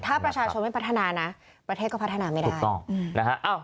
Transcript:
ถ้าประชาชนไม่พัฒนานะประเทศก็พัฒนาไม่ได้นะฮะ